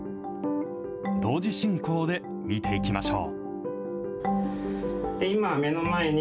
同時進行で見ていきましょう。